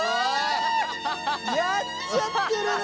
やっちゃってるね。